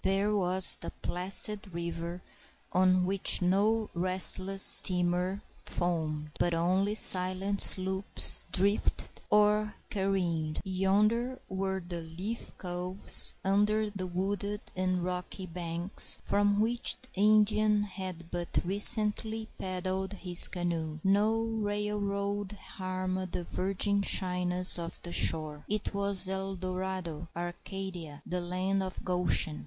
There was the placid river, on which no restless steamer foamed, but only silent sloops drifted or careened. Yonder were the leafy coves under the wooded and rocky banks, from which the Indian had but recently paddled his canoe. No railroad harmed the virgin shyness of the shore. It was El Dorado, Arcadia, the land of Goshen.